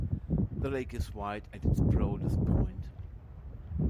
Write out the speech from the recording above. The lake is wide at its broadest point.